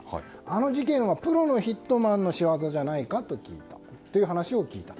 あの事件はプロのヒットマンの仕業じゃないかという話を聞いた。